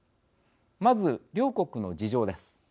まず、両国の事情です。